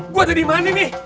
gue udah dimani nih